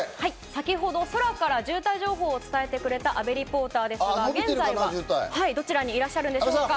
先ほど空から渋滞情報を伝えてくれた阿部リポーター、現在はどちらにいらっしゃるんでしょうか？